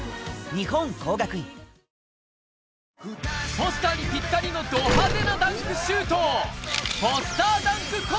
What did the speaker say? ポスターにぴったりのど派手なダンクシュート